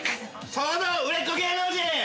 そこの売れっ子芸能人。